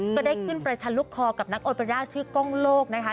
ก็ได้ขึ้นประชันลูกคอกับนักโอเปร่าชื่อกล้องโลกนะคะ